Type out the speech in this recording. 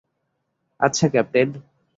আচ্ছা, ক্যাপ্টেন।